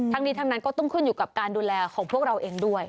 ทั้งนี้ทั้งนั้นก็ต้องขึ้นอยู่กับการดูแลของพวกเราเองด้วย